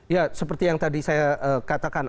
ya seperti yang tadi saya katakan